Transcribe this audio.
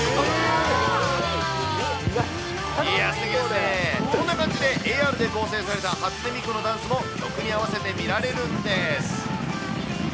すごいですね、こんな感じでＡＲで合成された初音ミクのダンスも曲に合わせて見られるんです。